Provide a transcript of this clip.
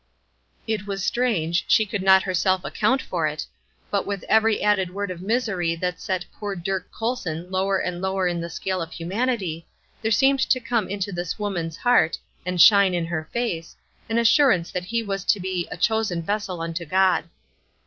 It was strange, she could not herself account for it; but with every added word of misery that set poor Dirk Colson lower and lower in the scale of humanity, there seemed to come into this woman's heart, and shine in her face, an assurance that he was to be a "chosen vessel unto God."